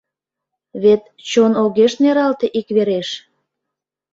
Вет чон огеш нералте ик вереш…